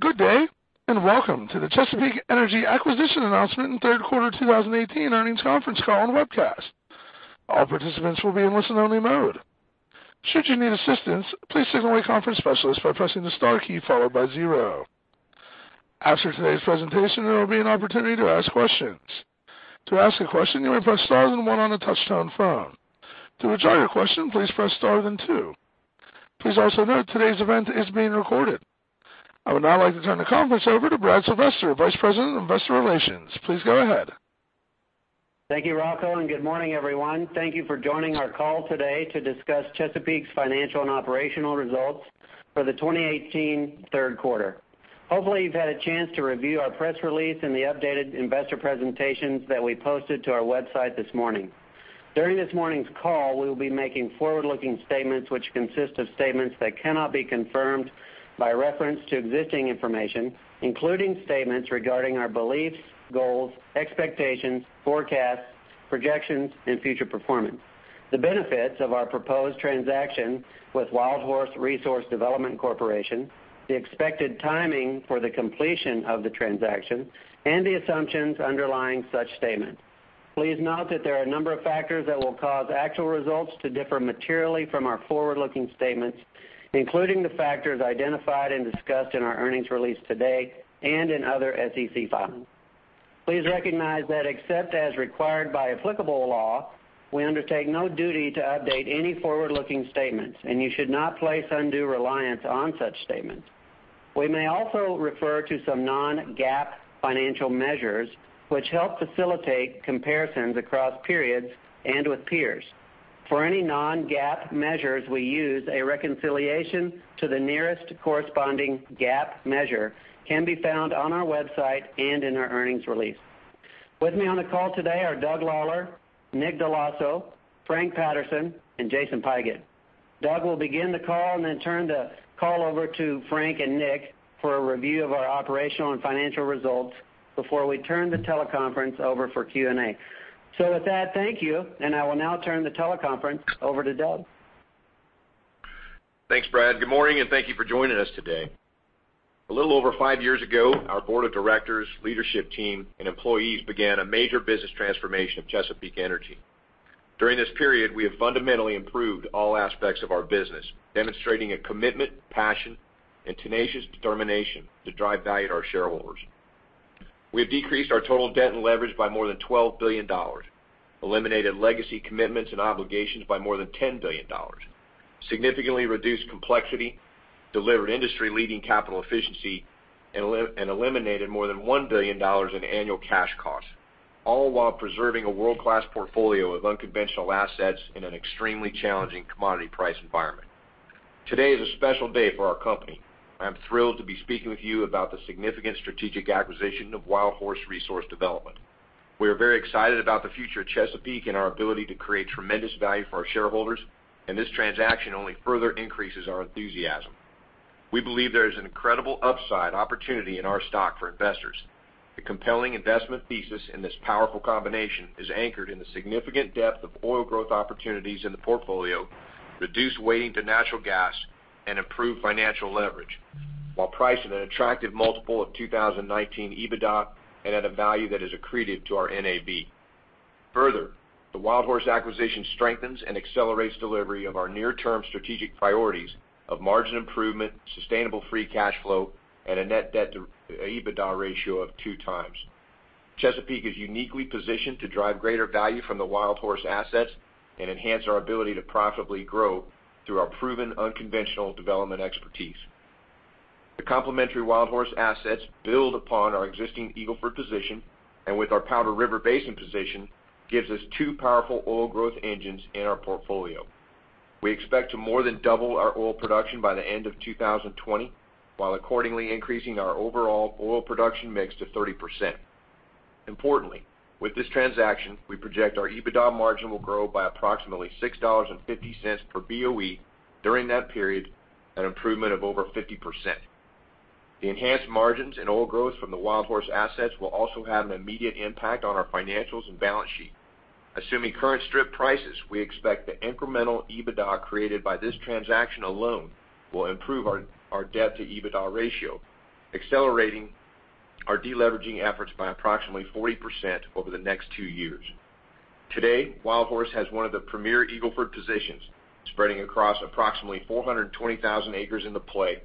Good day, and welcome to the Chesapeake Energy acquisition announcement and third quarter 2018 earnings conference call and webcast. All participants will be in listen-only mode. Should you need assistance, please signal a conference specialist by pressing the star key followed by 0. After today's presentation, there will be an opportunity to ask questions. To ask a question, you may press star then 1 on a touch-tone phone. To withdraw your question, please press star, then 2. Please also note today's event is being recorded. I would now like to turn the conference over to Brad Sylvester, Vice President of Investor Relations. Please go ahead. Thank you, Rocco, and good morning, everyone. Thank you for joining our call today to discuss Chesapeake's financial and operational results for the 2018 third quarter. Hopefully, you've had a chance to review our press release and the updated investor presentations that we posted to our website this morning. During this morning's call, we will be making forward-looking statements which consist of statements that cannot be confirmed by reference to existing information, including statements regarding our beliefs, goals, expectations, forecasts, projections, and future performance. The benefits of our proposed transaction with WildHorse Resource Development Corporation, the expected timing for the completion of the transaction, and the assumptions underlying such statements. Please note that there are a number of factors that will cause actual results to differ materially from our forward-looking statements, including the factors identified and discussed in our earnings release today and in other SEC filings. Please recognize that except as required by applicable law, we undertake no duty to update any forward-looking statements, and you should not place undue reliance on such statements. We may also refer to some non-GAAP financial measures, which help facilitate comparisons across periods and with peers. For any non-GAAP measures we use, a reconciliation to the nearest corresponding GAAP measure can be found on our website and in our earnings release. With me on the call today are Doug Lawler, Nick Dell'Osso, Frank Patterson, and Jason Pigott. Doug will begin the call, then turn the call over to Frank and Nick for a review of our operational and financial results before we turn the teleconference over for Q&A. With that, thank you, I will now turn the teleconference over to Doug. Thanks, Brad. Good morning, and thank you for joining us today. A little over five years ago, our board of directors, leadership team, and employees began a major business transformation of Chesapeake Energy. During this period, we have fundamentally improved all aspects of our business, demonstrating a commitment, passion, and tenacious determination to drive value to our shareholders. We have decreased our total debt and leverage by more than $12 billion, eliminated legacy commitments and obligations by more than $10 billion, significantly reduced complexity, delivered industry-leading capital efficiency, and eliminated more than $1 billion in annual cash costs, all while preserving a world-class portfolio of unconventional assets in an extremely challenging commodity price environment. Today is a special day for our company. I'm thrilled to be speaking with you about the significant strategic acquisition of WildHorse Resource Development. We are very excited about the future of Chesapeake and our ability to create tremendous value for our shareholders. This transaction only further increases our enthusiasm. We believe there is an incredible upside opportunity in our stock for investors. The compelling investment thesis in this powerful combination is anchored in the significant depth of oil growth opportunities in the portfolio, reduced weighting to natural gas, and improved financial leverage, while priced at an attractive multiple of 2019 EBITDA and at a value that is accretive to our NAV. Further, the WildHorse acquisition strengthens and accelerates delivery of our near-term strategic priorities of margin improvement, sustainable free cash flow, and a net debt to EBITDA ratio of two times. Chesapeake is uniquely positioned to drive greater value from the WildHorse assets and enhance our ability to profitably grow through our proven unconventional development expertise. The complementary WildHorse assets build upon our existing Eagle Ford position. With our Powder River Basin position, this gives us two powerful oil growth engines in our portfolio. We expect to more than double our oil production by the end of 2020, while accordingly increasing our overall oil production mix to 30%. Importantly, with this transaction, we project our EBITDA margin will grow by approximately $6.50 per BOE during that period, an improvement of over 50%. The enhanced margins and oil growth from the WildHorse assets will also have an immediate impact on our financials and balance sheet. Assuming current strip prices, we expect the incremental EBITDA created by this transaction alone will improve our debt to EBITDA ratio, accelerating our de-leveraging efforts by approximately 40% over the next two years. Today, WildHorse has one of the premier Eagle Ford positions, spreading across approximately 420,000 acres in the play,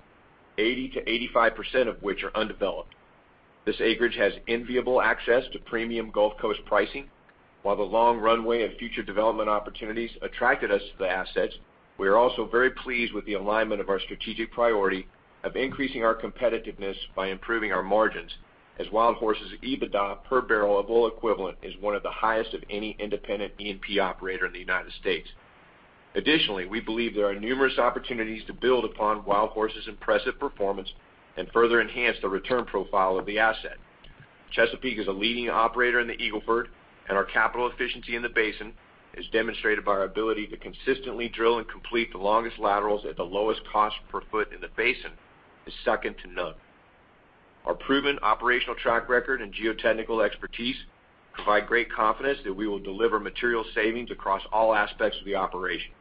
80%-85% of which are undeveloped. This acreage has enviable access to premium Gulf Coast pricing. While the long runway of future development opportunities attracted us to the assets, we are also very pleased with the alignment of our strategic priority of increasing our competitiveness by improving our margins, as WildHorse's EBITDA per barrel of oil equivalent is one of the highest of any independent E&P operator in the U.S. Additionally, we believe there are numerous opportunities to build upon WildHorse's impressive performance and further enhance the return profile of the asset. Chesapeake is a leading operator in the Eagle Ford. Our capital efficiency in the basin is demonstrated by our ability to consistently drill and complete the longest laterals at the lowest cost per foot in the basin is second to none. Our proven operational track record and geotechnical expertise provide great confidence that we will deliver material savings across all aspects of the operation.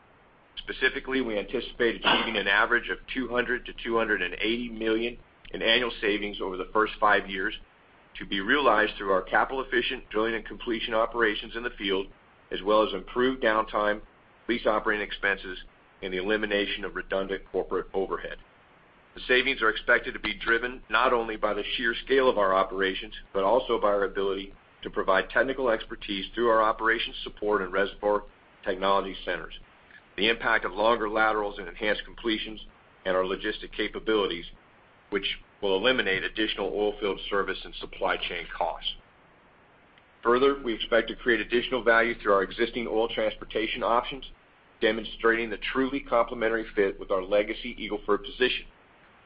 Specifically, we anticipate achieving an average of $200 million-$280 million in annual savings over the first five years to be realized through our capital efficient drilling and completion operations in the field, as well as improved downtime, lease operating expenses, and the elimination of redundant corporate overhead. The savings are expected to be driven not only by the sheer scale of our operations, but also by our ability to provide technical expertise through our operations support and reservoir technology centers. The impact of longer laterals and enhanced completions and our logistics capabilities, which will eliminate additional oilfield service and supply chain costs. Further, we expect to create additional value through our existing oil transportation options, demonstrating the truly complementary fit with our legacy Eagle Ford position.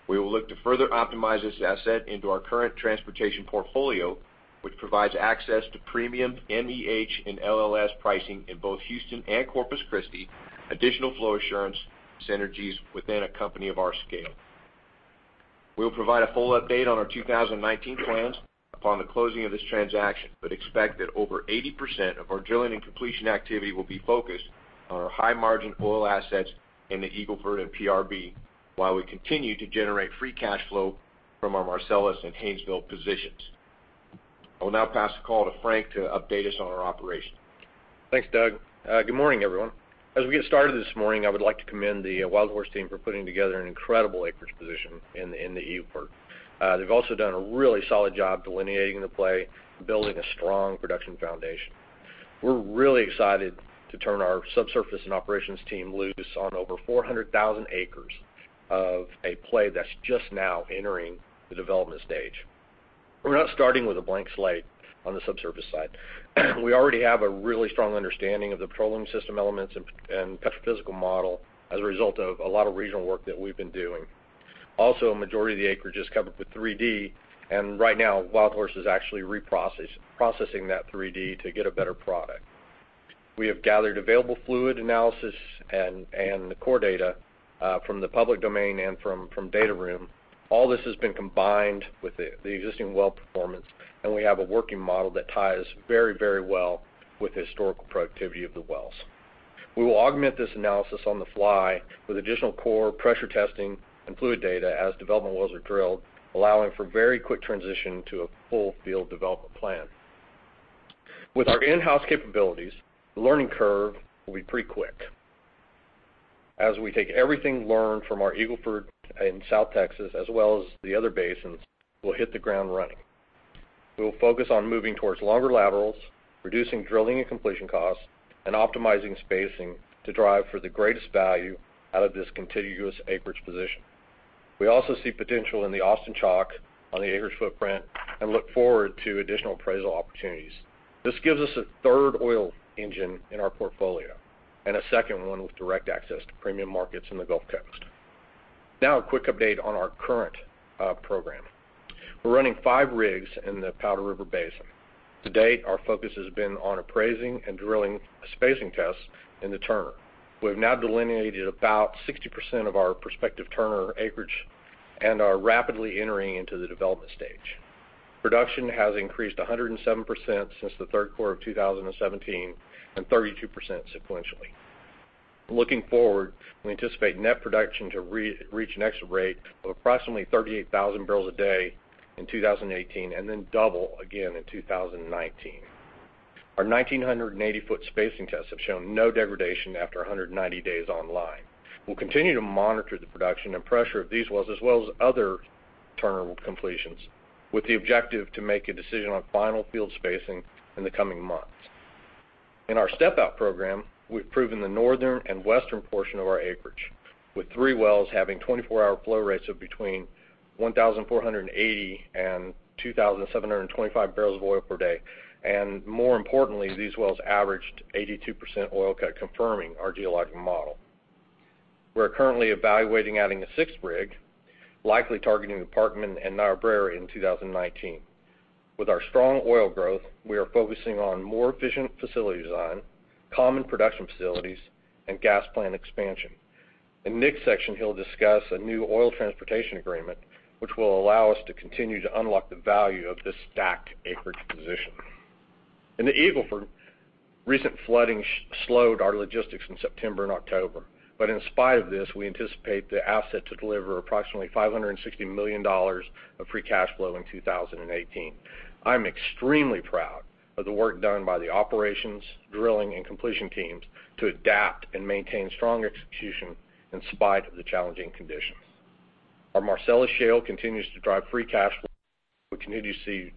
We will look to further optimize this asset into our current transportation portfolio, which provides access to premium MEH and LLS pricing in both Houston and Corpus Christi, additional flow assurance synergies within a company of our scale. We'll provide a full update on our 2019 plans upon the closing of this transaction, expect that over 80% of our drilling and completion activity will be focused on our high-margin oil assets in the Eagle Ford and PRB while we continue to generate free cash flow from our Marcellus and Haynesville positions. I will now pass the call to Frank to update us on our operations. Thanks, Doug. Good morning, everyone. As we get started this morning, I would like to commend the WildHorse team for putting together an incredible acreage position in the Eagle Ford. They've also done a really solid job delineating the play and building a strong production foundation. We're really excited to turn our subsurface and operations team loose on over 400,000 acres of a play that's just now entering the development stage. We're not starting with a blank slate on the subsurface side. We already have a really strong understanding of the petroleum system elements and petrophysical model as a result of a lot of regional work that we've been doing. Also, a majority of the acreage is covered with 3D, right now WildHorse is actually reprocessing that 3D to get a better product. We have gathered available fluid analysis and the core data from the public domain and from data room. All this has been combined with the existing well performance, we have a working model that ties very well with the historical productivity of the wells. We will augment this analysis on the fly with additional core pressure testing and fluid data as development wells are drilled, allowing for very quick transition to a full field development plan. With our in-house capabilities, the learning curve will be pretty quick. As we take everything learned from our Eagle Ford in South Texas, as well as the other basins, we'll hit the ground running. We will focus on moving towards longer laterals, reducing drilling and completion costs, and optimizing spacing to drive for the greatest value out of this contiguous acreage position. We also see potential in the Austin Chalk on the acreage footprint and look forward to additional appraisal opportunities. This gives us a third oil engine in our portfolio and a second one with direct access to premium markets in the Gulf Coast. A quick update on our current program. We're running five rigs in the Powder River Basin. To date, our focus has been on appraising and drilling spacing tests in the Turner. We have now delineated about 60% of our prospective Turner acreage and are rapidly entering into the development stage. Production has increased 107% since the third quarter of 2017 and 32% sequentially. Looking forward, we anticipate net production to reach an exit rate of approximately 38,000 barrels a day in 2018 and then double again in 2019. Our 1,980-foot spacing tests have shown no degradation after 190 days online. We'll continue to monitor the production and pressure of these wells as well as other Turner completions with the objective to make a decision on final field spacing in the coming months. In our step-out program, we've proven the northern and western portion of our acreage, with three wells having 24-hour flow rates of between 1,480 and 2,725 barrels of oil per day. More importantly, these wells averaged 82% oil cut, confirming our geologic model. We're currently evaluating adding a sixth rig, likely targeting the Parkman and Niobrara in 2019. With our strong oil growth, we are focusing on more efficient facility design, common production facilities, and gas plant expansion. In Nick's section, he'll discuss a new oil transportation agreement, which will allow us to continue to unlock the value of this stacked acreage position. In the Eagle Ford, recent flooding slowed our logistics in September and October. In spite of this, we anticipate the asset to deliver approximately $560 million of free cash flow in 2018. I'm extremely proud of the work done by the operations, drilling, and completion teams to adapt and maintain strong execution in spite of the challenging conditions. Our Marcellus Shale continues to drive free cash flow. We continue to see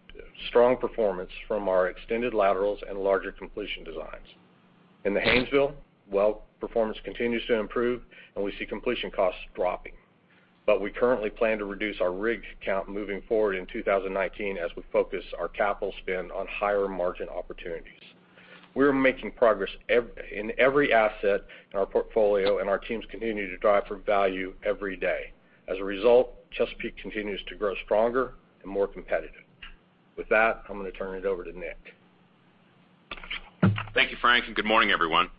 strong performance from our extended laterals and larger completion designs. In the Haynesville, well performance continues to improve, and we see completion costs dropping. We currently plan to reduce our rig count moving forward in 2019 as we focus our capital spend on higher margin opportunities. We're making progress in every asset in our portfolio, and our teams continue to drive for value every day. As a result, Chesapeake continues to grow stronger and more competitive. I'm going to turn it over to Nick. Thank you, Frank, and good morning, everyone.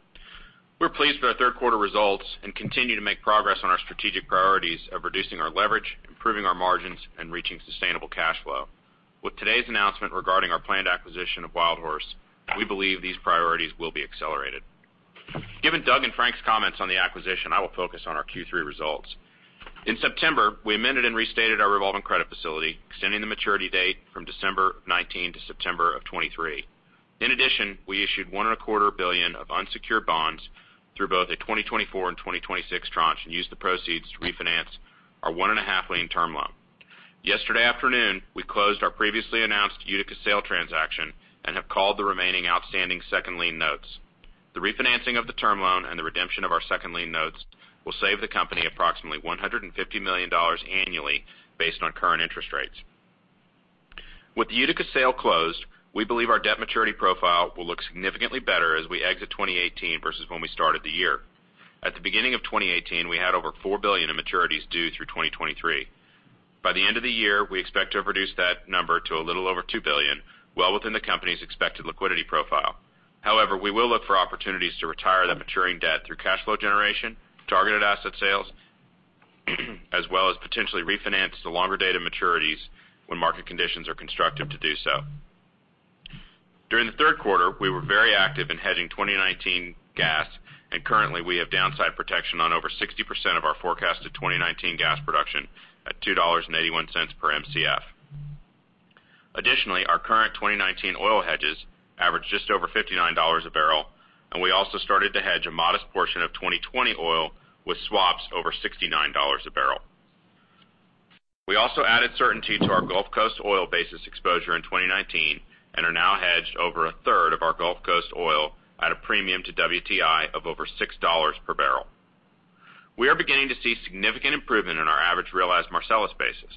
Utica sale closed, we believe our debt maturity profile will look significantly better as we exit 2018 versus when we started the year. At the beginning of 2018, we had over $4 billion in maturities due through 2023. By the end of the year, we expect to have reduced that number to a little over $2 billion, well within the company's expected liquidity profile. We will look for opportunities to retire that maturing debt through cash flow generation, targeted asset sales, as well as potentially refinance the longer date of maturities when market conditions are constructive to do so. During the third quarter, we were very active in hedging 2019 gas, currently, we have downside protection on over 60% of our forecasted 2019 gas production at $2.81 per Mcf. Our current 2019 oil hedges average just over $59 a barrel, we also started to hedge a modest portion of 2020 oil with swaps over $69 a barrel. We also added certainty to our Gulf Coast oil basis exposure in 2019 and are now hedged over a third of our Gulf Coast oil at a premium to WTI of over $6 per barrel. We are beginning to see significant improvement in our average realized Marcellus basis,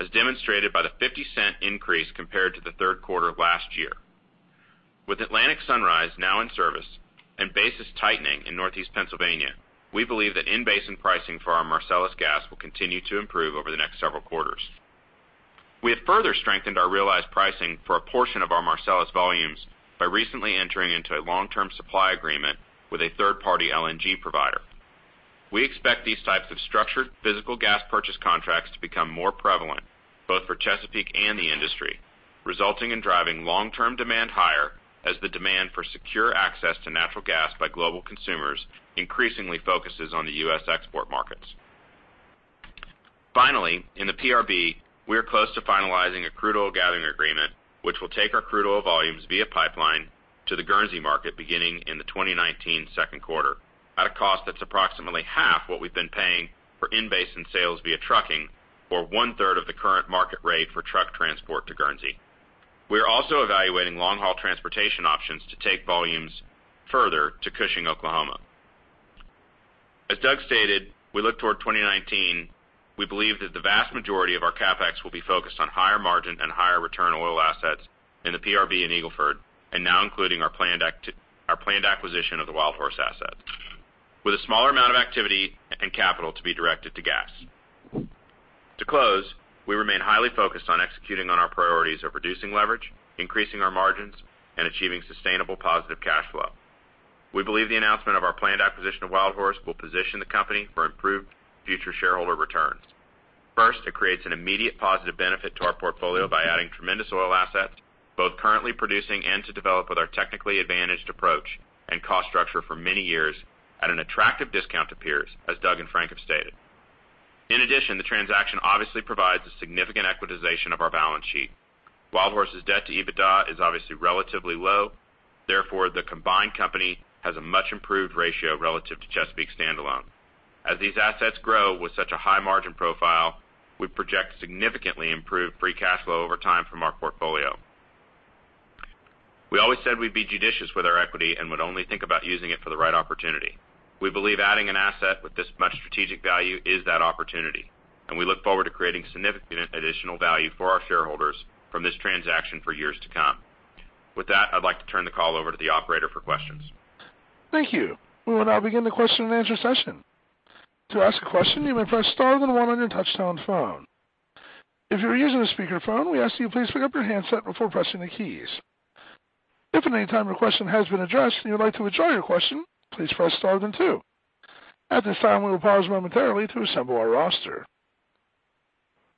as demonstrated by the $0.50 increase compared to the third quarter of last year. With Atlantic Sunrise now in service and basis tightening in Northeast Pennsylvania, we believe that in-basin pricing for our Marcellus gas will continue to improve over the next several quarters. We have further strengthened our realized pricing for a portion of our Marcellus volumes by recently entering into a long-term supply agreement with a third-party LNG provider. We expect these types of structured physical gas purchase contracts to become more prevalent both for Chesapeake and the industry, resulting in driving long-term demand higher as the demand for secure access to natural gas by global consumers increasingly focuses on the U.S. export markets. In the PRB, we are close to finalizing a crude oil gathering agreement, which will take our crude oil volumes via pipeline to the Guernsey market beginning in the 2019 second quarter, at a cost that's approximately half what we've been paying for in-basin sales via trucking or one-third of the current market rate for truck transport to Guernsey. We are also evaluating long-haul transportation options to take volumes further to Cushing, Oklahoma. As Doug stated, we look toward 2019, we believe that the vast majority of our CapEx will be focused on higher margin and higher return oil assets in the PRB in Eagle Ford, and now including our planned acquisition of the WildHorse assets. To close, we remain highly focused on executing on our priorities of reducing leverage, increasing our margins, and achieving sustainable positive cash flow. We believe the announcement of our planned acquisition of WildHorse will position the company for improved future shareholder returns. First, it creates an immediate positive benefit to our portfolio by adding tremendous oil assets, both currently producing and to develop with our technically advantaged approach and cost structure for many years at an attractive discount to peers, as Doug and Frank have stated. The transaction obviously provides a significant equitization of our balance sheet. WildHorse's debt to EBITDA is obviously relatively low. The combined company has a much-improved ratio relative to Chesapeake standalone. As these assets grow with such a high margin profile, we project significantly improved free cash flow over time from our portfolio. We always said we'd be judicious with our equity and would only think about using it for the right opportunity. We believe adding an asset with this much strategic value is that opportunity, and we look forward to creating significant additional value for our shareholders from this transaction for years to come. With that, I'd like to turn the call over to the operator for questions. Thank you. We will now begin the question and answer session. To ask a question, you may press star then one on your touchtone phone. If you are using a speakerphone, we ask that you please pick up your handset before pressing the keys. If at any time your question has been addressed and you would like to withdraw your question, please press star then two. At this time, we will pause momentarily to assemble our roster.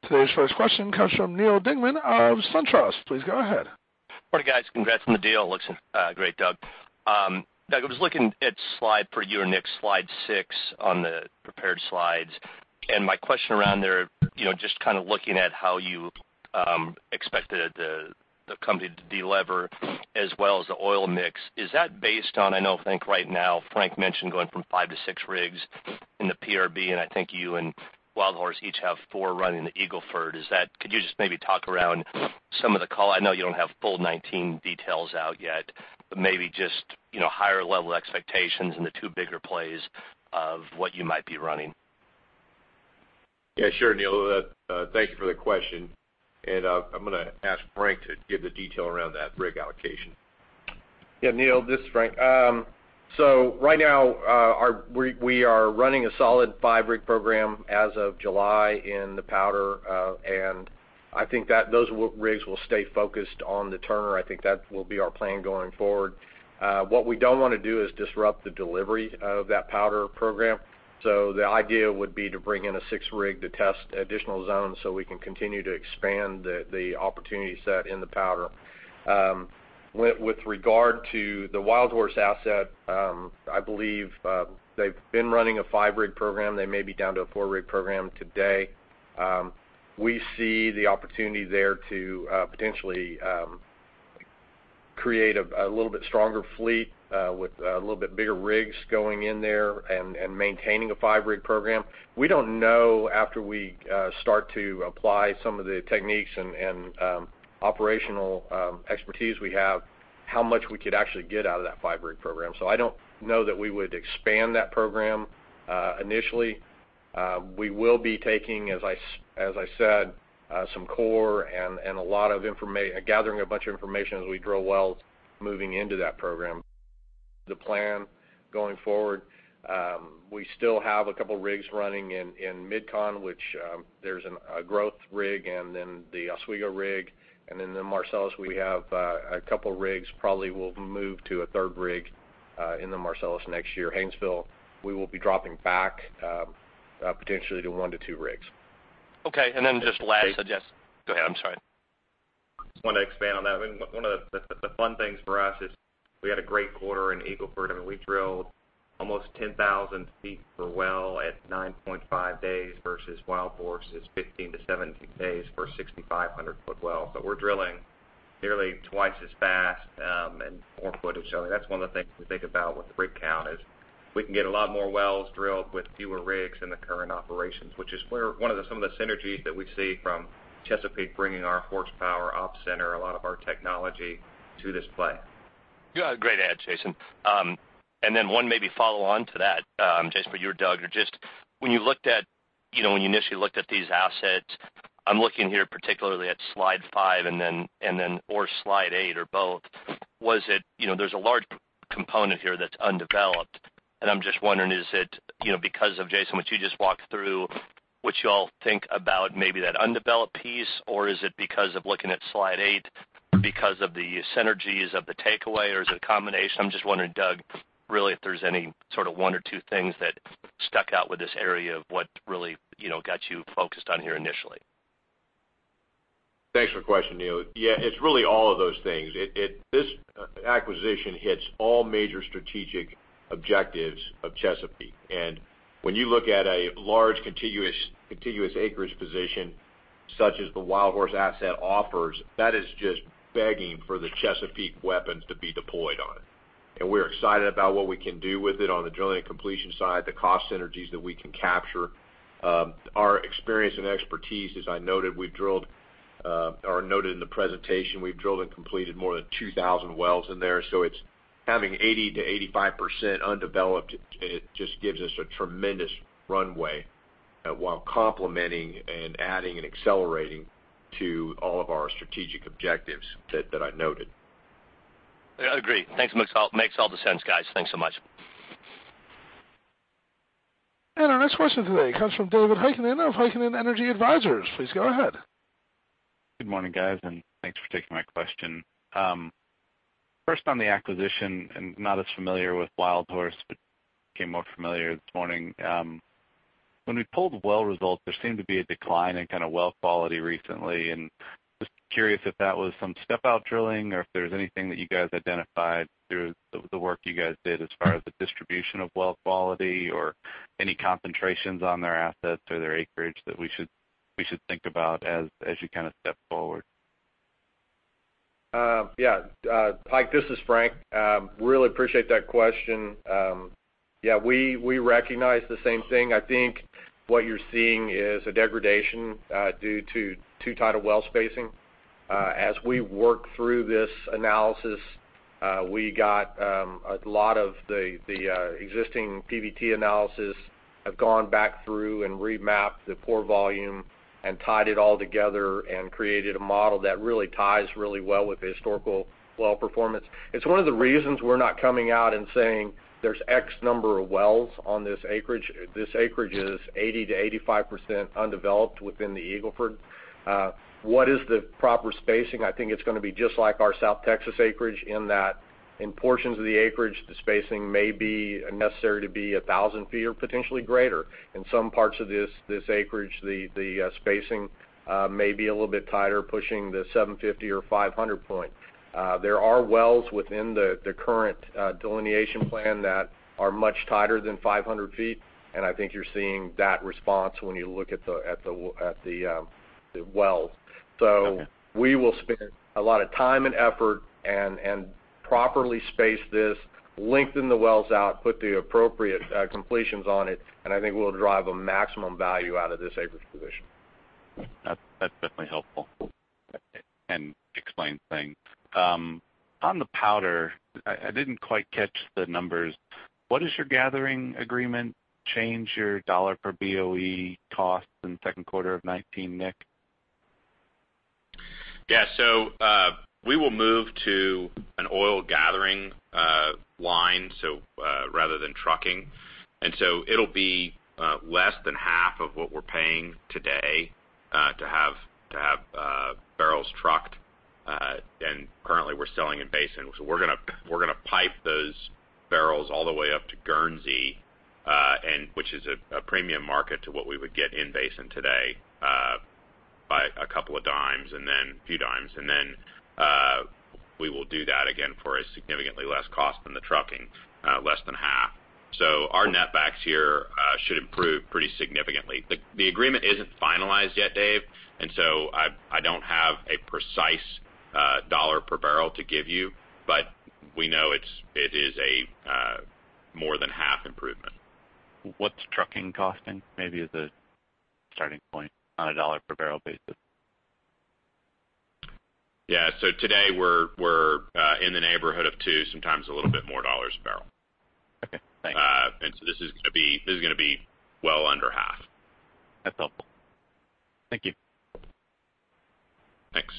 Today's first question comes from Neal Dingmann of SunTrust. Please go ahead. Morning, guys. Congrats on the deal. Looks great, Doug. Doug, I was looking at slide, per you and Nick, slide six on the prepared slides, and my question around there, just looking at how you expect the company to delever, as well as the oil mix. Is that based on Frank mentioned going from five to six rigs in the PRB, and I think you and Wildhorse each have four running in the Eagle Ford. Could you just maybe talk around some of the call? I know you don't have full 2019 details out yet, but maybe just higher-level expectations in the two bigger plays of what you might be running. Yeah, sure, Neal. Thank you for the question. I'm going to ask Frank to give the detail around that rig allocation. Yeah, Neal, this is Frank. Right now, we are running a solid five-rig program as of July in the Powder, and I think that those rigs will stay focused on the Turner. I think that will be our plan going forward. What we don't want to do is disrupt the delivery of that Powder program. The idea would be to bring in a six-rig to test additional zones so we can continue to expand the opportunity set in the Powder. With regard to the WildHorse asset, I believe they've been running a five-rig program. They may be down to a four-rig program today. We see the opportunity there to potentially create a little bit stronger fleet with a little bit bigger rigs going in there and maintaining a five-rig program. We don't know, after we start to apply some of the techniques and operational expertise we have, how much we could actually get out of that five-rig program. I don't know that we would expand that program. Initially, we will be taking, as I said, some core and gathering a bunch of information as we drill wells moving into that program. The plan going forward, we still have a couple of rigs running in MidCon. There's a growth rig and then the Oswego rig, and in the Marcellus, we have a couple rigs. Probably we'll move to a third rig in the Marcellus next year. Haynesville, we will be dropping back, potentially to one to two rigs. Okay. Then Go ahead, I'm sorry. Just want to expand on that. One of the fun things for us is we had a great quarter in Eagle Ford, we drilled almost 10,000 feet per well at 9.5 days versus WildHorse's 15 to 17 days for a 6,500-foot well. We're drilling nearly twice as fast and more footage. That's one of the things we think about with the rig count is we can get a lot more wells drilled with fewer rigs in the current operations, which is one of some of the synergies that we see from Chesapeake bringing our horsepower op center, a lot of our technology to this play. Yeah, great add, Jason. Then one maybe follow-on to that, Jason or you Doug, when you initially looked at these assets, I'm looking here particularly at slide five or slide eight, or both. There's a large component here that's undeveloped, and I'm just wondering, is it because of Jason, what you just walked through, what you all think about maybe that undeveloped piece? Is it because of looking at slide eight, because of the synergies of the takeaway, or is it a combination? I'm just wondering, Doug, really, if there's any one or two things that stuck out with this area of what really got you focused on here initially. Thanks for the question, Neal. Yeah, it's really all of those things. This acquisition hits all major strategic objectives of Chesapeake. When you look at a large, contiguous acreage position such as the WildHorse asset offers, that is just begging for the Chesapeake weapons to be deployed on. We're excited about what we can do with it on the drilling and completion side, the cost synergies that we can capture. Our experience and expertise, as I noted in the presentation, we've drilled and completed more than 2,000 wells in there. It's having 80% to 85% undeveloped, it just gives us a tremendous runway while complementing and adding and accelerating to all of our strategic objectives that I noted. I agree. Thanks. Makes all the sense, guys. Thanks so much. Our next question today comes from David Heikkinen of Heikkinen Energy Advisors. Please go ahead. Good morning, guys, and thanks for taking my question. First on the acquisition, I'm not as familiar with WildHorse, but became more familiar this morning. When we pulled the well results, there seemed to be a decline in well quality recently, and just curious if that was some step-out drilling or if there was anything that you guys identified through the work you guys did as far as the distribution of well quality or any concentrations on their assets or their acreage that we should think about as you step forward? Yeah. Pike, this is Frank. Really appreciate that question. Yeah, we recognize the same thing. I think what you're seeing is a degradation due to too-tight of well spacing. As we work through this analysis, we got a lot of the existing PVT analysis, have gone back through and remapped the pore volume and tied it all together and created a model that really ties really well with the historical well performance. It's one of the reasons we're not coming out and saying there's X number of wells on this acreage. This acreage is 80%-85% undeveloped within the Eagle Ford. What is the proper spacing? I think it's going to be just like our South Texas acreage in that in portions of the acreage, the spacing may be necessary to be 1,000 feet or potentially greater. In some parts of this acreage, the spacing may be a little bit tighter, pushing the 750 or 500 point. There are wells within the current delineation plan that are much tighter than 500 feet, and I think you're seeing that response when you look at the wells. Okay. We will spend a lot of time and effort and properly space this, lengthen the wells out, put the appropriate completions on it, and I think we'll drive a maximum value out of this acreage position. That's definitely helpful and explains things. On the Powder, I didn't quite catch the numbers. What is your gathering agreement change your dollar per BOE cost in the second quarter of 2019, Nick? Yeah. We will move to an oil gathering line rather than trucking. It'll be less than half of what we're paying today to have barrels trucked. Currently we're selling in basin. We're going to pipe those barrels all the way up to Guernsey, which is a premium market to what we would get in basin today, by $0.20, a few dimes. We will do that again for a significantly less cost than the trucking, less than half. Our net backs here should improve pretty significantly. The agreement isn't finalized yet, Dave, I don't have a precise dollar per barrel to give you, but we know it is a more than half improvement. What's trucking costing, maybe as a starting point on a dollar per barrel basis? Yeah. Today we're in the neighborhood of two, sometimes a little bit more dollars a barrel. Okay, thanks. This is going to be well under half. That's helpful. Thank you. Thanks.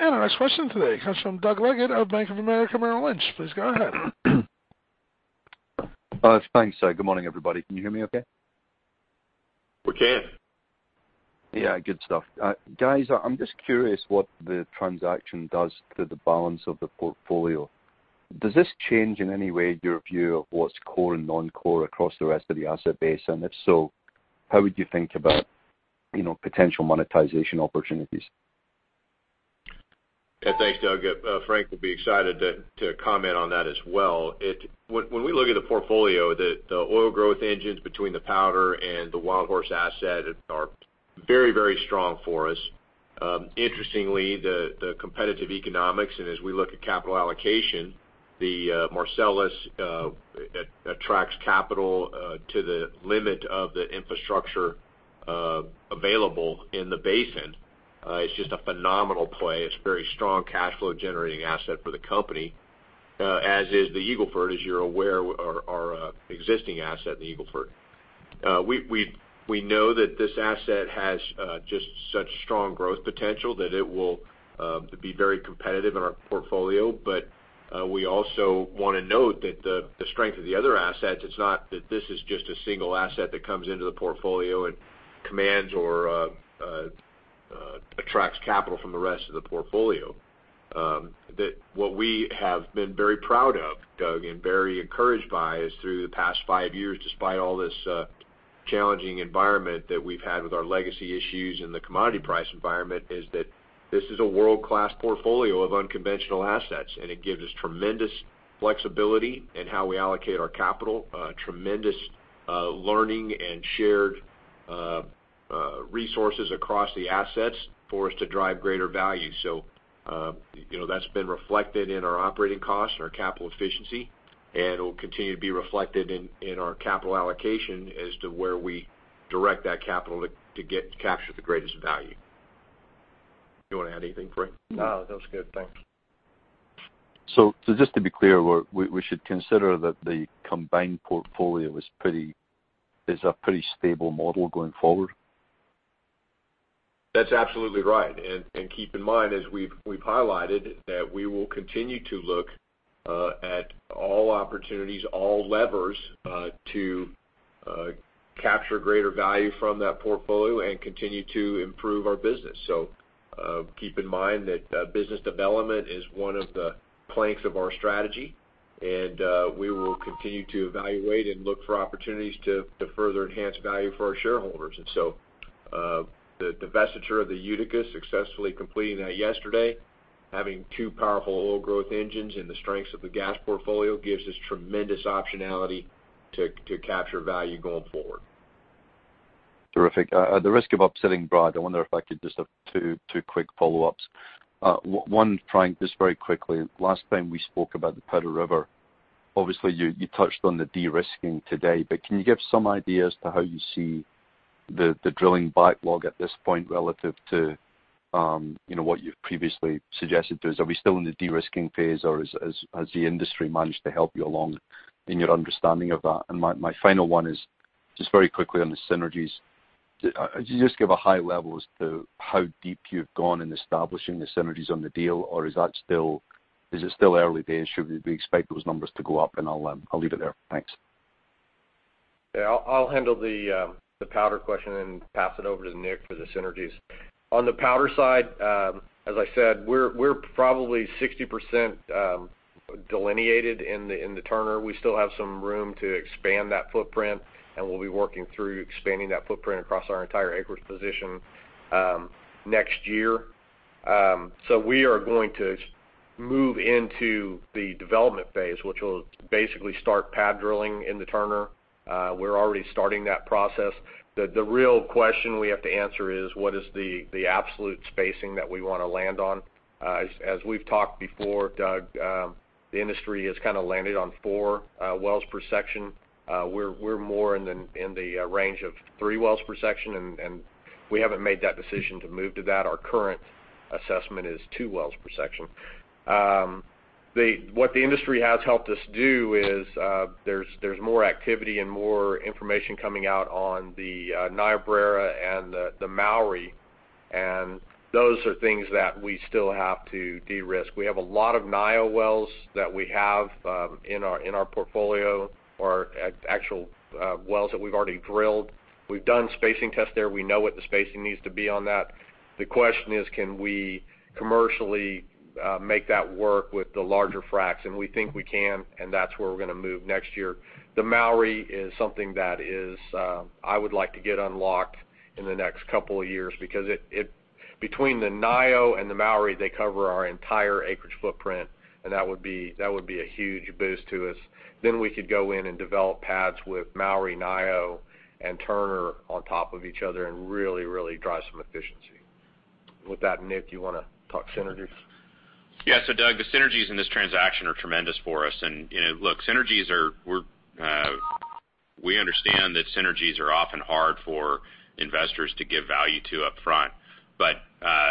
Our next question today comes from Doug Leggate of Bank of America Merrill Lynch. Please go ahead. Thanks. Good morning, everybody. Can you hear me okay? We can. Yeah, good stuff. Guys, I'm just curious what the transaction does to the balance of the portfolio. Does this change in any way your view of what's core and non-core across the rest of the asset base? If so, how would you think about potential monetization opportunities? Yeah, thanks, Doug. Frank will be excited to comment on that as well. When we look at the portfolio, the oil growth engines between the Powder and the WildHorse asset are very strong for us. Interestingly, the competitive economics, as we look at capital allocation, the Marcellus attracts capital to the limit of the infrastructure available in the basin. It's just a phenomenal play. It's a very strong cash flow generating asset for the company, as is the Eagle Ford, as you're aware, our existing asset in the Eagle Ford. We know that this asset has just such strong growth potential that it will be very competitive in our portfolio. We also want to note that the strength of the other assets, it's not that this is just a single asset that comes into the portfolio and commands or attracts capital from the rest of the portfolio. That what we have been very proud of, Doug, and very encouraged by is through the past five years, despite all this challenging environment that we've had with our legacy issues and the commodity price environment, is that this is a world-class portfolio of unconventional assets, it gives us tremendous flexibility in how we allocate our capital, tremendous learning and shared resources across the assets for us to drive greater value. That's been reflected in our operating costs and our capital efficiency, it'll continue to be reflected in our capital allocation as to where we direct that capital to capture the greatest value. You want to add anything, Frank? No, that was good. Thanks. just to be clear, we should consider that the combined portfolio is a pretty stable model going forward? That's absolutely right. Keep in mind, as we've highlighted, that we will continue to look at all opportunities, all levers, to capture greater value from that portfolio and continue to improve our business. Keep in mind that business development is one of the planks of our strategy, and we will continue to evaluate and look for opportunities to further enhance value for our shareholders. The divestiture of the Utica, successfully completing that yesterday, having two powerful oil growth engines and the strengths of the gas portfolio gives us tremendous optionality to capture value going forward. Terrific. At the risk of upsetting Brad, I wonder if I could just have two quick follow-ups. One, Frank, just very quickly. Last time we spoke about the Powder River, obviously you touched on the de-risking today, but can you give some idea as to how you see the drilling backlog at this point relative to what you've previously suggested to us? Are we still in the de-risking phase, or has the industry managed to help you along in your understanding of that? My final one is just very quickly on the synergies. Could you just give a high level as to how deep you've gone in establishing the synergies on the deal, or is it still early days? Should we expect those numbers to go up? I'll leave it there. Thanks. Yeah. I'll handle the Powder question and pass it over to Nick for the synergies. On the Powder side, as I said, we're probably 60% delineated in the Turner. We still have some room to expand that footprint, and we'll be working through expanding that footprint across our entire acreage position next year. We are going to move into the development phase, which will basically start pad drilling in the Turner. We're already starting that process. The real question we have to answer is: what is the absolute spacing that we want to land on? As we've talked before, Doug, the industry has landed on four wells per section. We're more in the range of three wells per section, and we haven't made that decision to move to that. Our current assessment is two wells per section. What the industry has helped us do is there's more activity and more information coming out on the Niobrara and the Mowry. Those are things that we still have to de-risk. We have a lot of Niobrara wells that we have in our portfolio, or actual wells that we've already drilled. We've done spacing tests there. We know what the spacing needs to be on that. The question is, can we commercially make that work with the larger fracs? We think we can. That's where we're going to move next year. The Mowry is something that I would like to get unlocked in the next couple of years, because between the Niobrara and the Mowry, they cover our entire acreage footprint, and that would be a huge boost to us. We could go in and develop pads with Mowry, Niobrara, and Turner on top of each other and really drive some efficiency. With that, Nick, do you want to talk synergies? Yeah. Doug, the synergies in this transaction are tremendous for us. Look, we understand that synergies are often hard for investors to give value to up front.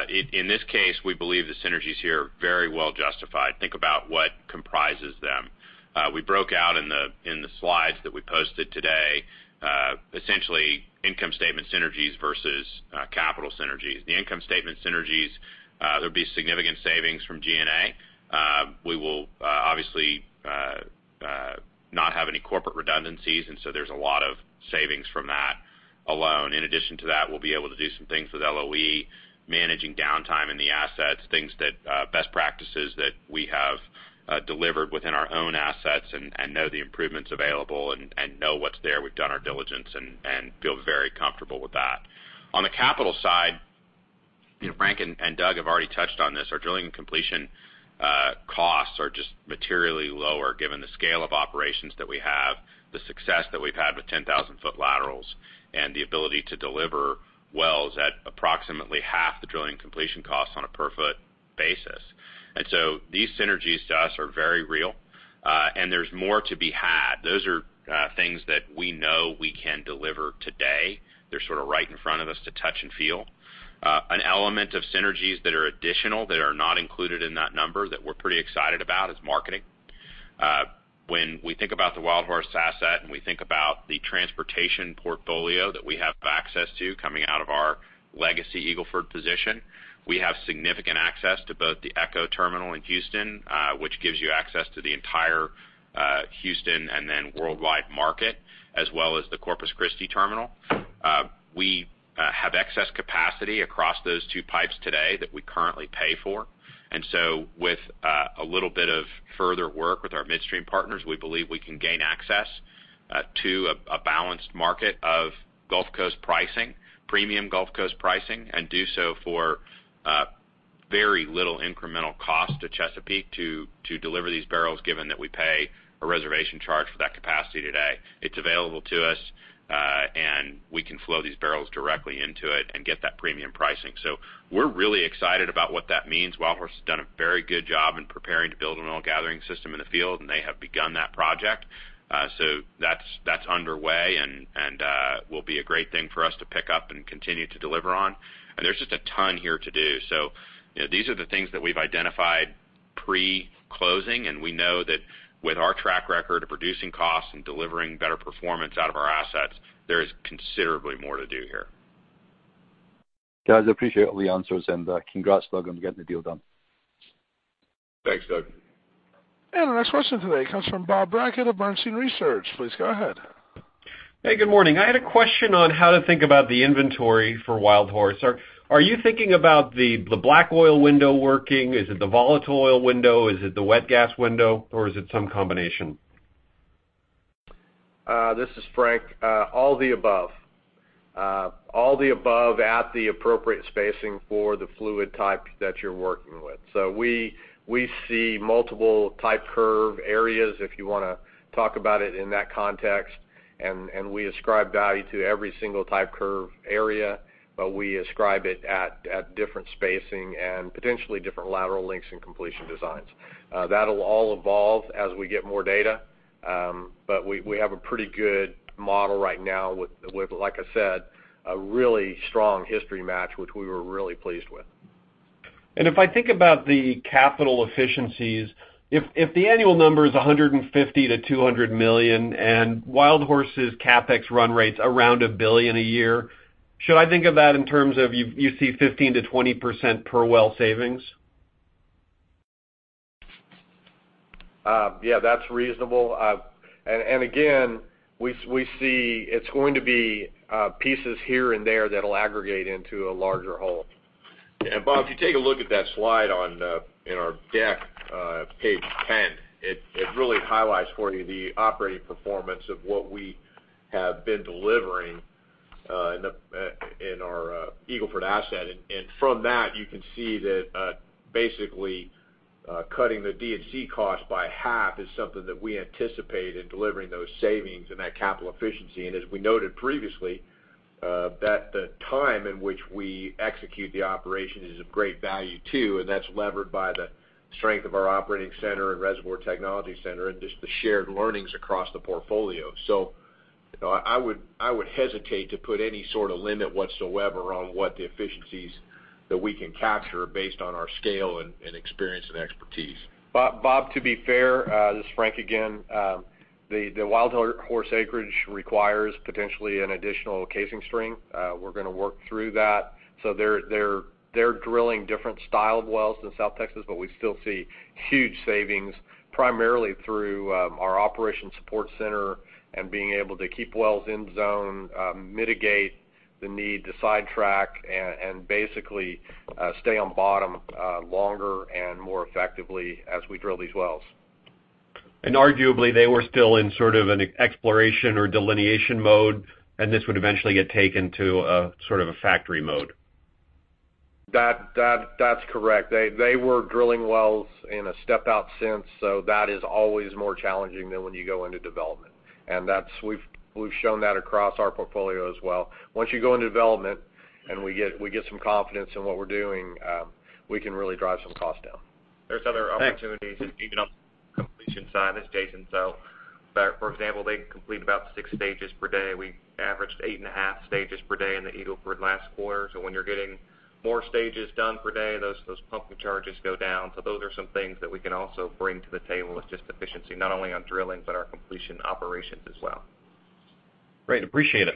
In this case, we believe the synergies here are very well justified. Think about what comprises them. We broke out in the slides that we posted today, essentially income statement synergies versus capital synergies. The income statement synergies, there'll be significant savings from G&A. We will obviously not have any corporate redundancies. There's a lot of savings from that alone. In addition to that, we'll be able to do some things with LOE, managing downtime in the assets, best practices that we have delivered within our own assets and know the improvements available and know what's there. We've done our diligence and feel very comfortable with that. On the capital side, Frank and Doug have already touched on this. Our drilling and completion costs are just materially lower given the scale of operations that we have, the success that we've had with 10,000-foot laterals, and the ability to deliver wells at approximately half the drilling completion costs on a per-foot basis. These synergies to us are very real. There's more to be had. Those are things that we know we can deliver today. They're sort of right in front of us to touch and feel. An element of synergies that are additional, that are not included in that number that we're pretty excited about is marketing. We think about the WildHorse asset and we think about the transportation portfolio that we have access to coming out of our legacy Eagle Ford position. We have significant access to both the ECHO terminal in Houston, which gives you access to the entire Houston and then worldwide market, as well as the Corpus Christi terminal. We have excess capacity across those two pipes today that we currently pay for. With a little bit of further work with our midstream partners, we believe we can gain access to a balanced market of Gulf Coast pricing, premium Gulf Coast pricing, and do so for very little incremental cost to Chesapeake to deliver these barrels, given that we pay a reservation charge for that capacity today. It's available to us, and we can flow these barrels directly into it and get that premium pricing. We're really excited about what that means. WildHorse has done a very good job in preparing to build an oil gathering system in the field, and they have begun that project. That's underway and will be a great thing for us to pick up and continue to deliver on. There's just a ton here to do. These are the things that we've identified pre-closing, and we know that with our track record of reducing costs and delivering better performance out of our assets, there is considerably more to do here. Guys, I appreciate all the answers and congrats, Doug, on getting the deal done. Thanks, Doug. The next question today comes from Bob Brackett of Bernstein Research. Please go ahead. Hey, good morning. I had a question on how to think about the inventory for WildHorse. Are you thinking about the black oil window working? Is it the volatile oil window? Is it the wet gas window, or is it some combination? This is Frank. All the above. All the above at the appropriate spacing for the fluid type that you're working with. We see multiple type curve areas, if you want to talk about it in that context, and we ascribe value to every single type curve area. We ascribe it at different spacing and potentially different lateral lengths and completion designs. That'll all evolve as we get more data. We have a pretty good model right now with, like I said, a really strong history match, which we were really pleased with. If I think about the capital efficiencies, if the annual number is $150 million-$200 million and WildHorse's CapEx run rates around $1 billion a year, should I think of that in terms of you see 15%-20% per well savings? Yeah, that's reasonable. Again, we see it's going to be pieces here and there that'll aggregate into a larger whole. Bob, if you take a look at that slide in our deck, page 10, it really highlights for you the operating performance of what we have been delivering in our Eagle Ford asset. From that, you can see that basically, cutting the D&C cost by half is something that we anticipate in delivering those savings and that capital efficiency. As we noted previously, that the time in which we execute the operation is of great value too, and that's levered by the strength of our operating center and reservoir technology center and just the shared learnings across the portfolio. I would hesitate to put any sort of limit whatsoever on what the efficiencies That we can capture based on our scale and experience and expertise. Bob, to be fair, this is Frank again, the WildHorse acreage requires potentially an additional casing string. We're going to work through that. They're drilling different style of wells in South Texas, we still see huge savings, primarily through our operation support center and being able to keep wells in zone, mitigate the need to sidetrack, and basically stay on bottom longer and more effectively as we drill these wells. arguably, they were still in sort of an exploration or delineation mode, and this would eventually get taken to a sort of a factory mode. That's correct. They were drilling wells in a step-out sense. That is always more challenging than when you go into development. We've shown that across our portfolio as well. Once you go into development and we get some confidence in what we're doing, we can really drive some costs down. Thanks. There's other opportunities even on the completion side. This is Jason. For example, they complete about 6 stages per day. We averaged 8.5 stages per day in the Eagle Ford last quarter. When you're getting more stages done per day, those pumping charges go down. Those are some things that we can also bring to the table with just efficiency, not only on drilling, but our completion operations as well. Great. Appreciate it.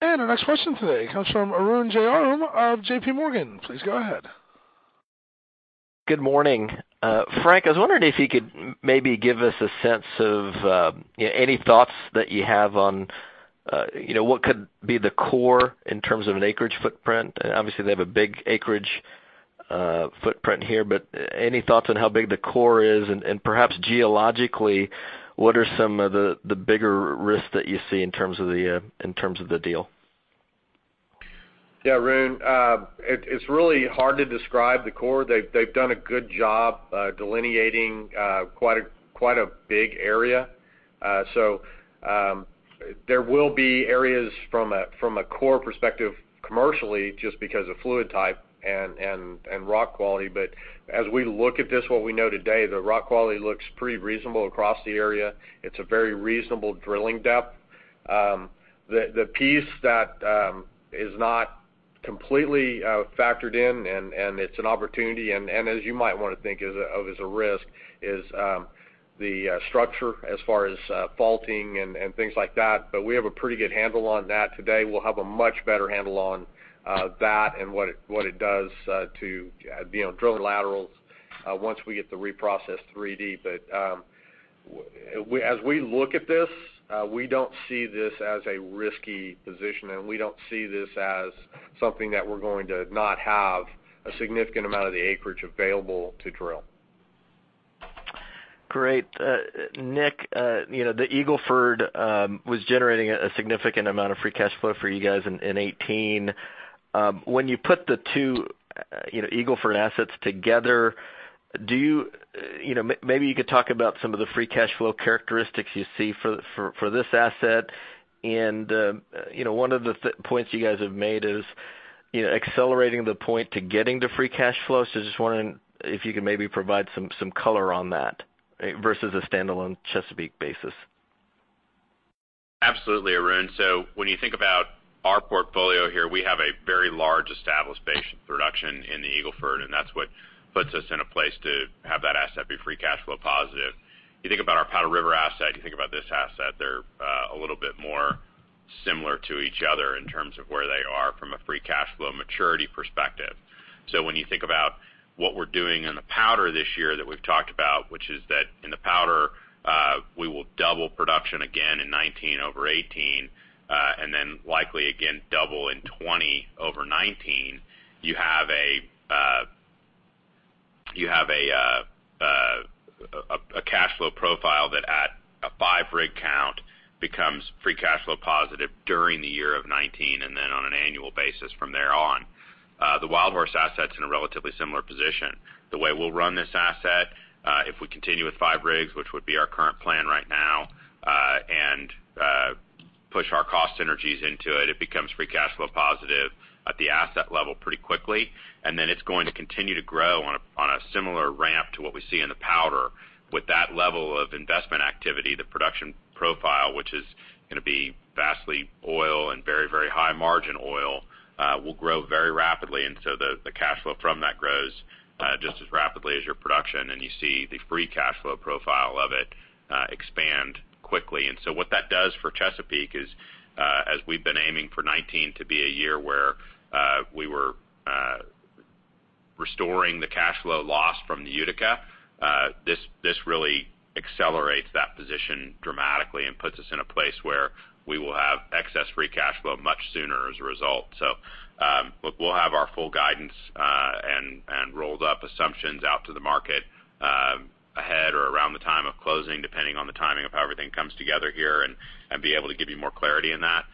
Our next question today comes from Arun Jayaram of J.P. Morgan. Please go ahead. Good morning. Frank, I was wondering if you could maybe give us a sense of any thoughts that you have on what could be the core in terms of an acreage footprint. Obviously, they have a big acreage footprint here, but any thoughts on how big the core is and perhaps geologically, what are some of the bigger risks that you see in terms of the deal? Yeah, Arun, it's really hard to describe the core. They've done a good job delineating quite a big area. There will be areas from a core perspective commercially, just because of fluid type and rock quality. As we look at this, what we know today, the rock quality looks pretty reasonable across the area. It's a very reasonable drilling depth. The piece that is not completely factored in, and it's an opportunity, and as you might want to think of as a risk, is the structure as far as faulting and things like that. We have a pretty good handle on that today. We'll have a much better handle on that and what it does to drilling laterals once we get the reprocessed 3D. As we look at this, we don't see this as a risky position, and we don't see this as something that we're going to not have a significant amount of the acreage available to drill. Great. Nick, the Eagle Ford was generating a significant amount of free cash flow for you guys in 2018. When you put the two Eagle Ford assets together, maybe you could talk about some of the free cash flow characteristics you see for this asset. One of the points you guys have made is accelerating the point to getting to free cash flow. Just wondering if you could maybe provide some color on that versus a standalone Chesapeake basis. Absolutely, Arun. When you think about our portfolio here, we have a very large established base of production in the Eagle Ford, and that's what puts us in a place to have that asset be free cash flow positive. You think about our Powder River asset, you think about this asset, they're a little bit more similar to each other in terms of where they are from a free cash flow maturity perspective. When you think about what we're doing in the Powder this year that we've talked about, which is that in the Powder, we will double production again in 2019 over 2018, and then likely again double in 2020 over 2019. You have a cash flow profile that at a five rig count becomes free cash flow positive during the year of 2019, and then on an annual basis from there on. The WildHorse asset's in a relatively similar position. The way we'll run this asset, if we continue with five rigs, which would be our current plan right now, and push our cost synergies into it becomes free cash flow positive at the asset level pretty quickly. Then it's going to continue to grow on a similar ramp to what we see in the Powder. With that level of investment activity, the production profile, which is going to be vastly oil and very high margin oil, will grow very rapidly. The cash flow from that grows just as rapidly as your production, and you see the free cash flow profile of it expand quickly. What that does for Chesapeake is, as we've been aiming for 2019 to be a year where we were restoring the cash flow loss from the Utica, this really accelerates that position dramatically and puts us in a place where we will have excess free cash flow much sooner as a result. We'll have our full guidance and rolled up assumptions out to the market ahead or around the time of closing, depending on the timing of how everything comes together here and be able to give you more clarity on that.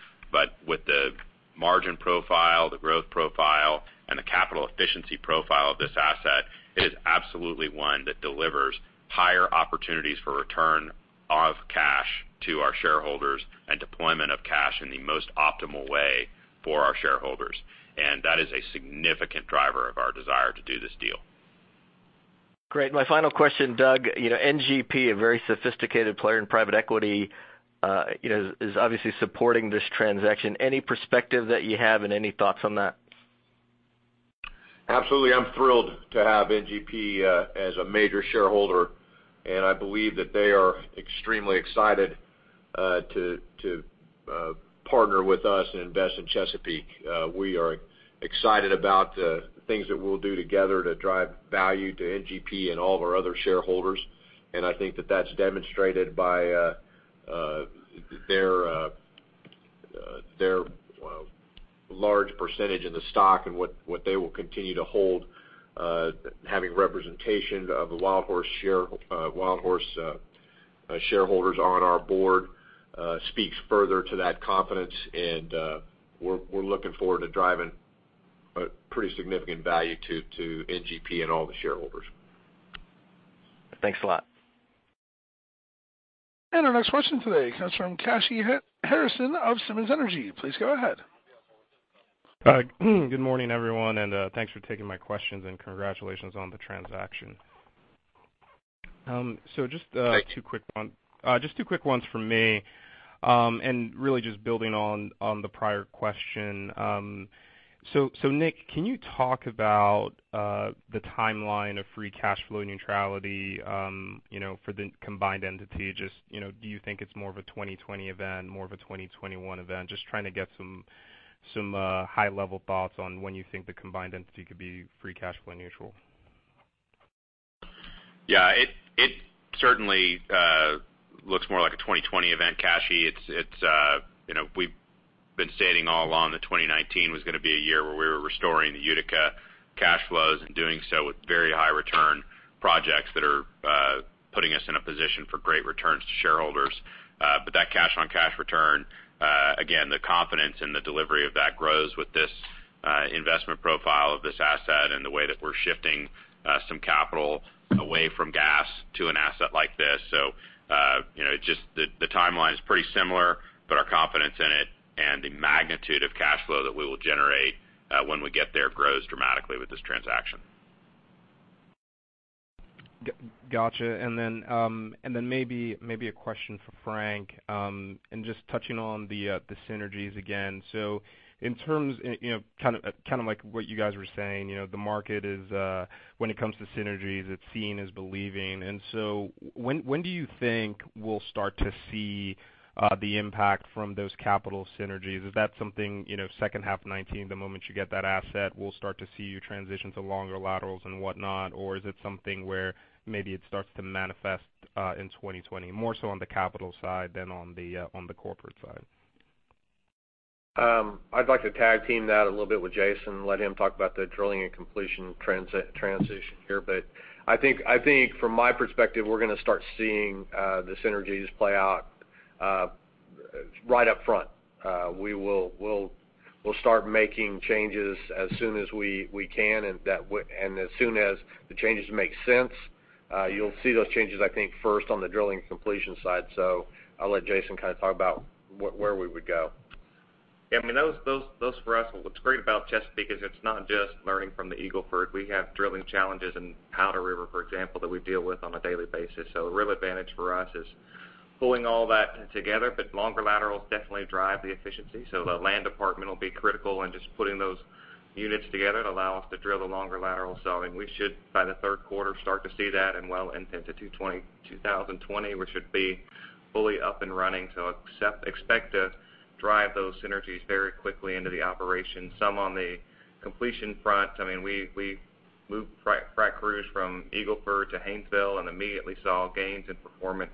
With the margin profile, the growth profile, and the capital efficiency profile of this asset, it is absolutely one that delivers higher opportunities for return of cash to our shareholders and deployment of cash in the most optimal way for our shareholders. That is a significant driver of our desire to do this deal. Great. My final question, Doug. NGP, a very sophisticated player in private equity, is obviously supporting this transaction. Any perspective that you have and any thoughts on that? Absolutely. I'm thrilled to have NGP as a major shareholder. I believe that they are extremely excited to partner with us and invest in Chesapeake Energy. We are excited about the things that we'll do together to drive value to NGP and all of our other shareholders. I think that that's demonstrated by their large percentage in the stock and what they will continue to hold. Having representation of the WildHorse shareholders on our board speaks further to that confidence. We're looking forward to driving a pretty significant value to NGP and all the shareholders. Thanks a lot. Our next question today comes from Kashy Harrison of Simmons Energy. Please go ahead. Good morning, everyone, and thanks for taking my questions and congratulations on the transaction. Great Two quick ones from me. Really just building on the prior question. Nick, can you talk about the timeline of free cash flow neutrality for the combined entity? Just do you think it's more of a 2020 event, more of a 2021 event? Just trying to get some high-level thoughts on when you think the combined entity could be free cash flow neutral. Yeah. It certainly looks more like a 2020 event, Kashy. We've been stating all along that 2019 was going to be a year where we were restoring the Utica cash flows and doing so with very high return projects that are putting us in a position for great returns to shareholders. That cash-on-cash return, again, the confidence in the delivery of that grows with this investment profile of this asset and the way that we're shifting some capital away from gas to an asset like this. Just the timeline is pretty similar, but our confidence in it and the magnitude of cash flow that we will generate when we get there grows dramatically with this transaction. Got you. Maybe a question for Frank, just touching on the synergies again. In terms, kind of like what you guys were saying, the market is, when it comes to synergies, it's seeing is believing. When do you think we'll start to see the impact from those capital synergies? Is that something second half 2019, the moment you get that asset, we'll start to see you transition to longer laterals and whatnot, or is it something where maybe it starts to manifest in 2020, more so on the capital side than on the corporate side? I'd like to tag team that a little bit with Jason and let him talk about the drilling and completion transition here. I think from my perspective, we're going to start seeing the synergies play out right up front. We'll start making changes as soon as we can, and as soon as the changes make sense. You'll see those changes, I think, first on the drilling and completion side. I'll let Jason talk about where we would go. Those for us, what's great about Chesapeake Energy is it's not just learning from the Eagle Ford. We have drilling challenges in Powder River, for example, that we deal with on a daily basis. A real advantage for us is pulling all that together. Longer laterals definitely drive the efficiency. The land department will be critical in just putting those units together to allow us to drill the longer laterals. We should, by the third quarter, start to see that and well into 2020, we should be fully up and running. Expect to drive those synergies very quickly into the operation. Some on the completion front. We moved frac crews from Eagle Ford to Haynesville and immediately saw gains in performance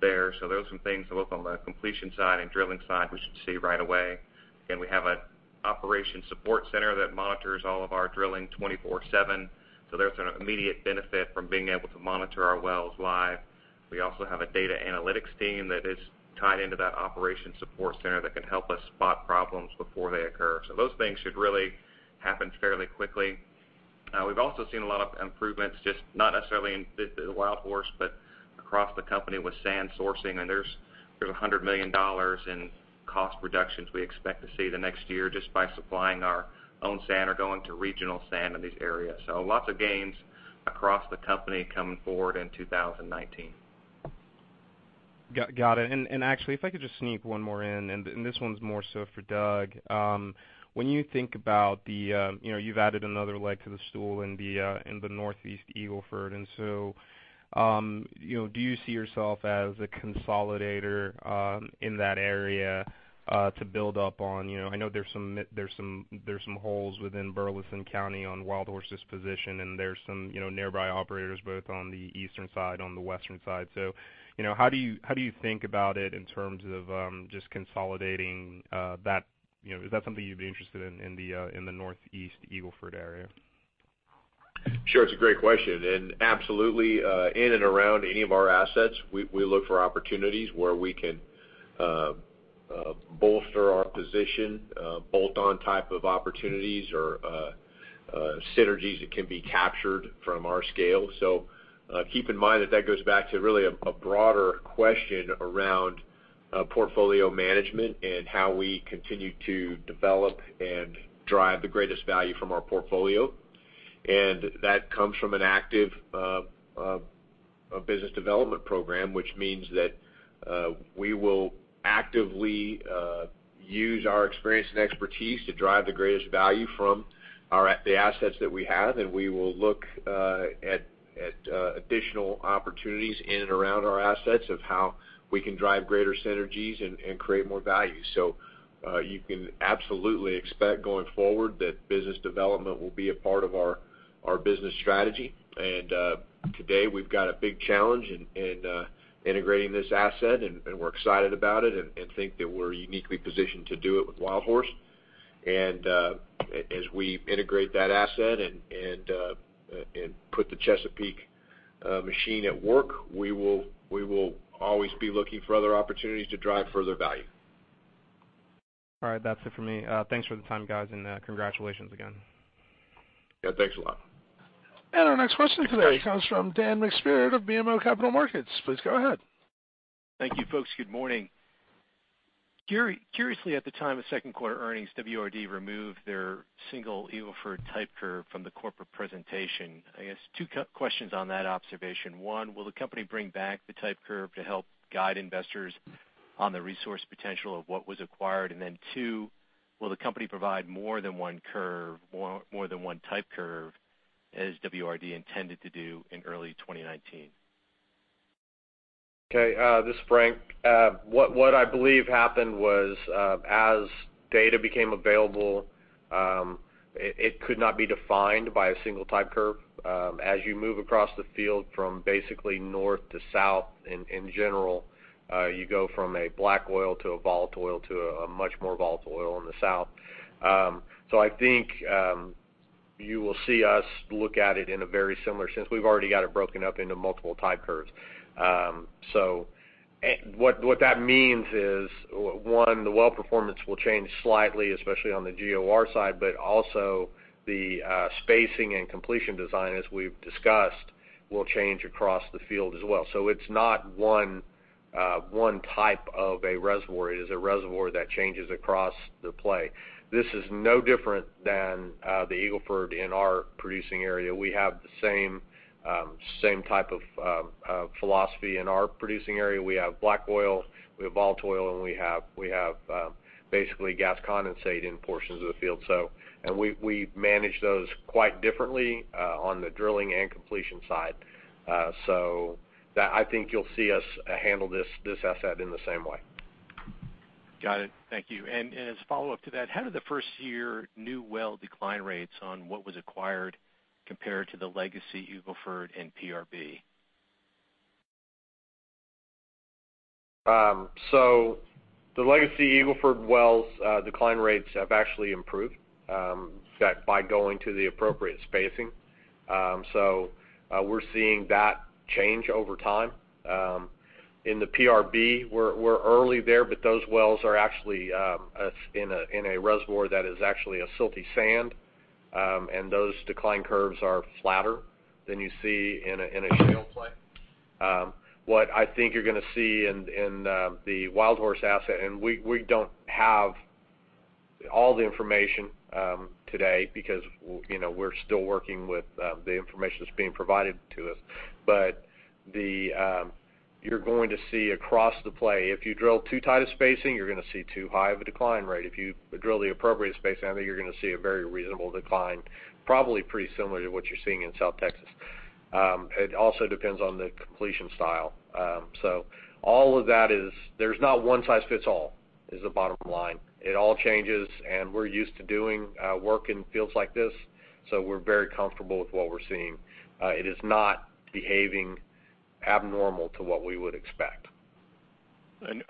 there. Those are some things both on the completion side and drilling side we should see right away. Again, we have an operation support center that monitors all of our drilling 24/7. There's an immediate benefit from being able to monitor our wells live. We also have a data analytics team that is tied into that operation support center that can help us spot problems before they occur. Those things should really happen fairly quickly. We've also seen a lot of improvements, not necessarily in the Wildhorse, but across the company with sand sourcing. There's $100 million in cost reductions we expect to see the next year just by supplying our own sand or going to regional sand in these areas. Lots of gains across the company coming forward in 2019. Got it. Actually, if I could just sneak one more in, and this one's more so for Doug. When you think about, you've added another leg to the stool in the Northeast Eagle Ford, do you see yourself as a consolidator in that area to build up on, I know there's some holes within Burleson County on WildHorse's position, and there's some nearby operators both on the eastern side, on the western side. How do you think about it in terms of just consolidating that? Is that something you'd be interested in the Northeast Eagle Ford area? Sure. It's a great question. Absolutely, in and around any of our assets, we look for opportunities where we can bolster our position, bolt-on type of opportunities or synergies that can be captured from our scale. Keep in mind that that goes back to really a broader question around. portfolio management and how we continue to develop and drive the greatest value from our portfolio. That comes from an active business development program, which means that we will actively use our experience and expertise to drive the greatest value from the assets that we have. We will look at additional opportunities in and around our assets of how we can drive greater synergies and create more value. You can absolutely expect going forward that business development will be a part of our business strategy. Today, we've got a big challenge in integrating this asset, and we're excited about it and think that we're uniquely positioned to do it with WildHorse. As we integrate that asset and put the Chesapeake machine at work, we will always be looking for other opportunities to drive further value. All right. That's it for me. Thanks for the time, guys, and congratulations again. Yeah, thanks a lot. Our next question today comes from Dan McSpirit of BMO Capital Markets. Please go ahead. Thank you, folks. Good morning. Curiously, at the time of second quarter earnings, WRD removed their single Eagle Ford type curve from the corporate presentation. I guess two questions on that observation. One, will the company bring back the type curve to help guide investors on the resource potential of what was acquired? Then two, will the company provide more than one type curve, as WRD intended to do in early 2019? Okay. This is Frank. What I believe happened was, as data became available, it could not be defined by a single type curve. As you move across the field from basically north to south, in general, you go from a black oil to a volatile oil to a much more volatile oil in the south. I think you will see us look at it in a very similar sense. We've already got it broken up into multiple type curves. What that means is, one, the well performance will change slightly, especially on the GOR side, but also the spacing and completion design, as we've discussed, will change across the field as well. It's not one type of a reservoir. It is a reservoir that changes across the play. This is no different than the Eagle Ford in our producing area. We have the same type of philosophy in our producing area. We have black oil, we have volatile oil, and we have basically gas condensate in portions of the field. We manage those quite differently on the drilling and completion side. I think you'll see us handle this asset in the same way. Got it. Thank you. As a follow-up to that, how did the first year new well decline rates on what was acquired compare to the legacy Eagle Ford and PRB? The legacy Eagle Ford wells decline rates have actually improved by going to the appropriate spacing. We're seeing that change over time. In the PRB, we're early there, but those wells are actually in a reservoir that is actually a silty sand, and those decline curves are flatter than you see in a shale play. What I think you're going to see in the WildHorse asset, and we don't have all the information today because we're still working with the information that's being provided to us. You're going to see across the play, if you drill too tight a spacing, you're going to see too high of a decline rate. If you drill the appropriate spacing, I think you're going to see a very reasonable decline, probably pretty similar to what you're seeing in South Texas. It also depends on the completion style. All of that is there's not one size fits all is the bottom line. It all changes, and we're used to doing work in fields like this, we're very comfortable with what we're seeing. It is not behaving abnormal to what we would expect.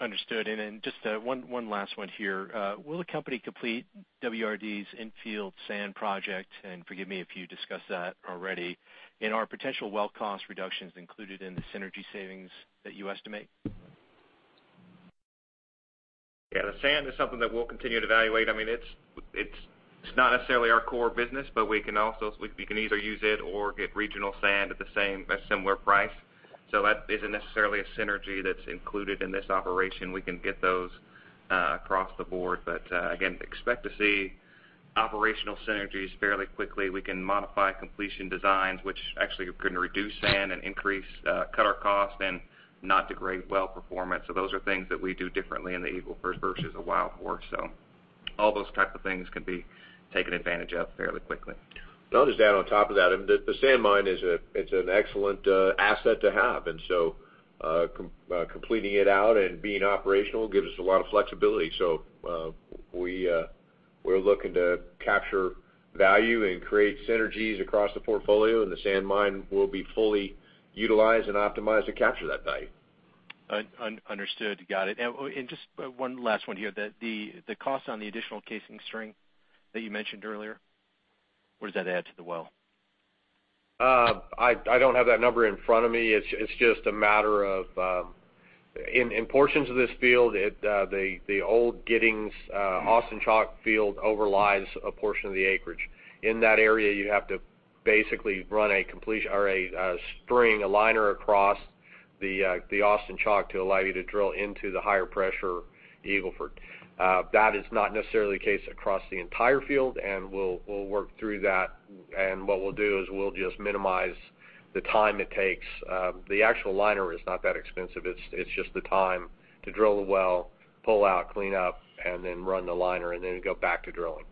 Understood. Then just one last one here. Will the company complete WRD's infield sand project? Forgive me if you discussed that already. Are potential well cost reductions included in the synergy savings that you estimate? The sand is something that we'll continue to evaluate. It's not necessarily our core business, but we can either use it or get regional sand at a similar price. That isn't necessarily a synergy that's included in this operation. We can get those across the board. Again, expect to see operational synergies fairly quickly. We can modify completion designs, which actually can reduce sand and cut our cost and not degrade well performance. Those are things that we do differently in the Eagle Ford versus a WildHorse. All those types of things can be taken advantage of fairly quickly. I'll just add on top of that, the sand mine it's an excellent asset to have, completing it out and being operational gives us a lot of flexibility. We're looking to capture value and create synergies across the portfolio, and the sand mine will be fully utilized and optimized to capture that value. Understood. Got it. Just one last one here. The cost on the additional casing string that you mentioned earlier, what does that add to the well? I don't have that number in front of me. It's just a matter of in portions of this field, the old Giddings Austin Chalk field overlies a portion of the acreage. In that area, you have to basically run a completion or a string, a liner across the Austin Chalk to allow you to drill into the higher pressure Eagle Ford. That is not necessarily the case across the entire field, and we'll work through that. What we'll do is we'll just minimize the time it takes. The actual liner is not that expensive. It's just the time to drill the well, pull out, clean up, and then run the liner, and then go back to drilling.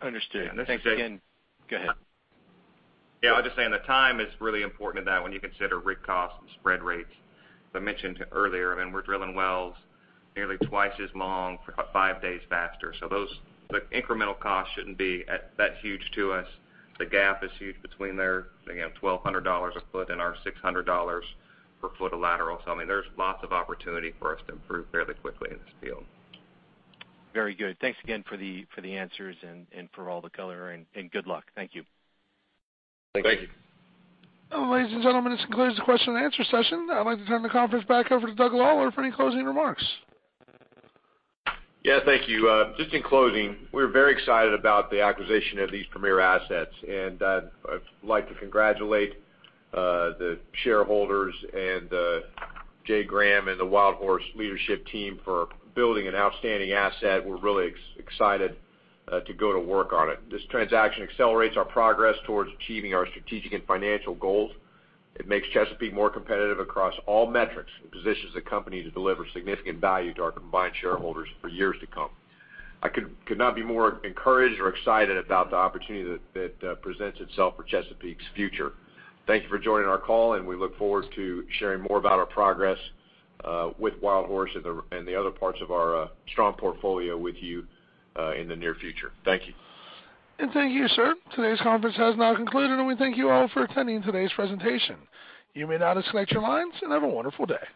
Understood. Thanks again. Go ahead. Yeah, I was just saying the time is really important in that when you consider rig costs and spread rates. As I mentioned earlier, we're drilling wells nearly twice as long, five days faster. Those incremental costs shouldn't be that huge to us. The gap is huge between their, again, $1,200 a foot and our $600 per foot of lateral. I mean, there's lots of opportunity for us to improve fairly quickly in this field. Very good. Thanks again for the answers, and for all the color, and good luck. Thank you. Thank you. Thank you. Ladies and gentlemen, this concludes the question and answer session. I'd like to turn the conference back over to Doug Lawler for any closing remarks. Yeah, thank you. Just in closing, we're very excited about the acquisition of these premier assets. I'd like to congratulate the shareholders and Jay Graham and the WildHorse leadership team for building an outstanding asset. We're really excited to go to work on it. This transaction accelerates our progress towards achieving our strategic and financial goals. It makes Chesapeake more competitive across all metrics and positions the company to deliver significant value to our combined shareholders for years to come. I could not be more encouraged or excited about the opportunity that presents itself for Chesapeake's future. Thank you for joining our call, and we look forward to sharing more about our progress with WildHorse and the other parts of our strong portfolio with you in the near future. Thank you. Thank you, sir. Today's conference has now concluded, and we thank you all for attending today's presentation. You may now disconnect your lines and have a wonderful day.